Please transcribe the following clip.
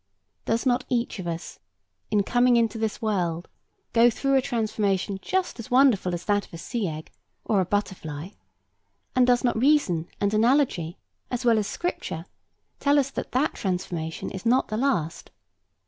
Does not each of us, in coming into this world, go through a transformation just as wonderful as that of a sea egg, or a butterfly? and do not reason and analogy, as well as Scripture, tell us that that transformation is not the last?